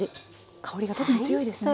香りが特に強いですね。